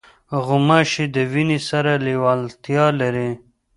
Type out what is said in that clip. غوماشې د وینې سره لیوالتیا لري.